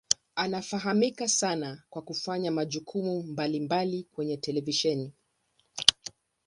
Anafahamika sana kwa kufanya majukumu mbalimbali kwenye televisheni.